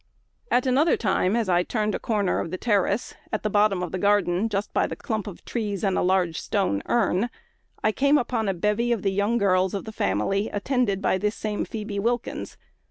At another time, as I turned a corner of a terrace, at the bottom of the garden, just by a clump of trees, and a large stone urn, I came upon a bevy of the young girls of the family, attended by this same Phoebe Wilkins.